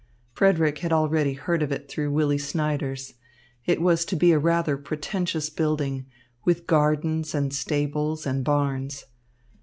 Frederick had already heard of it through Willy Snyders. It was to be a rather pretentious building, with gardens and stables and barns.